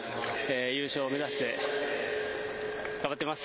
優勝を目指して頑張ってます。